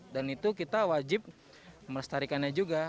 dan itu kita wajib merestarikannya juga